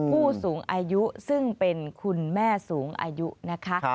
ผู้สูงอายุซึ่งเป็นคุณแม่สูงอายุนะคะ